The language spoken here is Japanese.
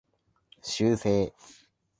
修正